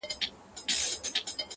خو هېڅ څوک د هغې غږ ته نه درېږي،